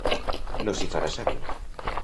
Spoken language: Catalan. No s'hi farà sang.